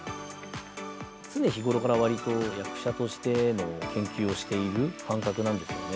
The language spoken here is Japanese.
常日頃からわりと役者としての研究をしている感覚なんですよね。